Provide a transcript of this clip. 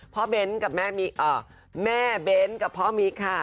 พ่อเบนท์กับแม่มิ๊กเอ่อแม่เบนท์กับพ่อมิ๊กค่ะ